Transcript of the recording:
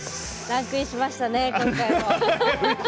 ランクインしましたね、今回は。